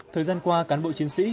thời gian qua cán bộ chiến sĩ